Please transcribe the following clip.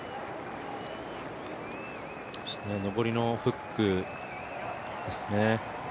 上りのフックですね。